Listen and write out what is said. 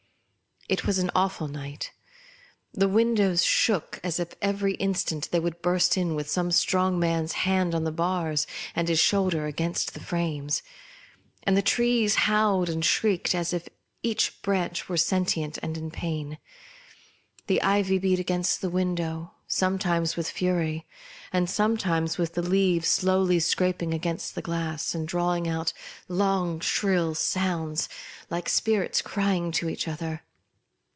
It was an awful night. The windows shook, as if every instant they would burst in with some strong man's hand on the bars, and his shoulder against the frames; and the trees howled and shrieked, as if each branch were sentient and in pain. The ivy beat against the window, sometimes with fury, and some times with the leaves slowly scraping against the glass, and drawing out long shrill sounds, like spirits crying to each other.